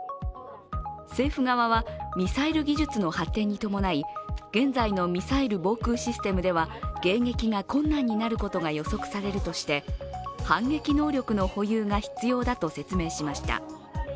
政府側は、ミサイル技術の発展に伴い、現在のミサイル防空システムでは迎撃が困難になることが予測されるとして反撃能力の保有が必要だと説明しました。